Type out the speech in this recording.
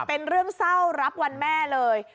เป็นเรื่องเศร้ารับวันแม่เลย